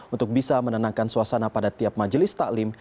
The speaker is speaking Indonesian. untuk bisa menenangkan suasana pada tiap majelis taklim